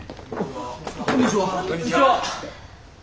こんにちは。